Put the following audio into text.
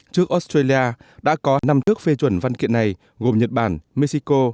trước australia đã có năm trước phê chuẩn văn kiện này gồm nhật bản mexico